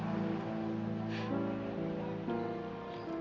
sampai jumpa lagi